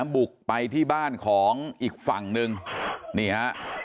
บุกไปที่บ้านของอีกฝั่งหนึ่งนี่ฮะ